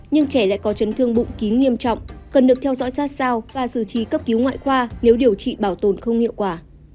nhưng trẻ lại có chấn thương bụng kín nghiêm trọng cần được theo dõi sát sao và xử trí cấp cứu ngoại khoa nếu điều trị bảo tồn không hiệu quả